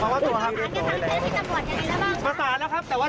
มามอบตัวครับ